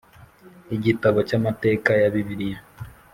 Igitabo cy’amateka ya Bibiliya